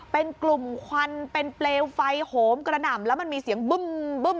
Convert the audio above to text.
เป็นกลุ่มควันเป็นเปลวไฟโหมกระหน่ำแล้วมันมีเสียงบึ้ม